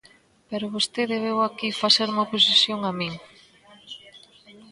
Pero vostede veu aquí facerme oposición a min.